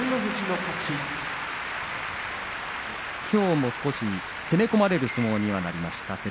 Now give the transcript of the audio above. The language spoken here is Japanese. きょうも少し攻め込まれる相撲にはなりました